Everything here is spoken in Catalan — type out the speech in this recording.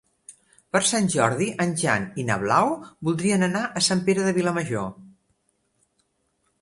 Per Sant Jordi en Jan i na Blau voldrien anar a Sant Pere de Vilamajor.